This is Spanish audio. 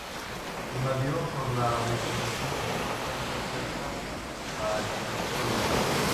Invadido por la vegetación, se encuentra expuesto a expolios.